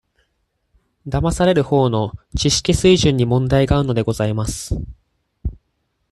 だまされるほうの、知識水準に問題があるのでございます。